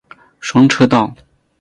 双车道。